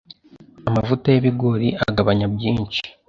Amavuta y’ibigori agabanya byinshi